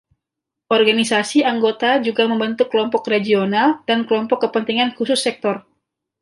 Organisasi anggota juga membentuk kelompok regional dan kelompok kepentingan khusus sektor.